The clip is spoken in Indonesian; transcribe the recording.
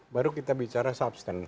kalau kita bicara substance